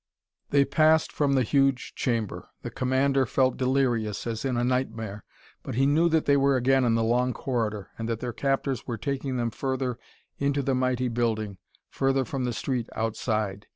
They passed from the huge chamber. The commander felt delirious, as in a nightmare, but he knew that they were again in the long corridor, and that their captors were taking them further into the mighty building, further from the street outside.